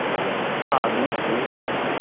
大奴湖。